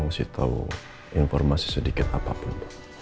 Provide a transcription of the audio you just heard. mau kasih tahu informasi sedikit apapun